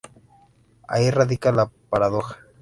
Ahí radica la paradoja.